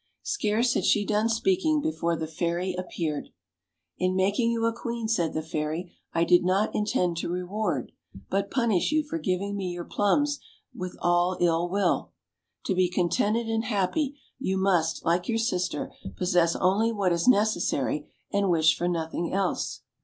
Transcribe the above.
Scarce had she done speaking before the fairy ap peared. "In making you a queen," said the fairy, "I did not intend to reward, but punish you for giving me your plums with a,^ ill will. To be contented and happy, you must, like your sister, possess only what is necessary, and wish for nothing else."